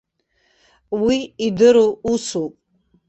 Уи идыру усуп.